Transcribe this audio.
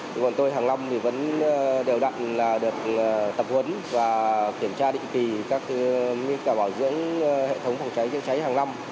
chúng tôi hàng năm vẫn đều đặn được tập huấn và kiểm tra định kỳ các bảo dưỡng hệ thống phòng cháy cháy hàng năm